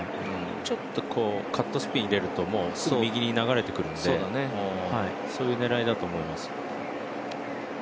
ちょっとカットスピン入れるとすぐ右に流れてくれるのでそういう狙いだと思います。